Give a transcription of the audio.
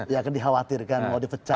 ya akan dikhawatirkan mau dipecah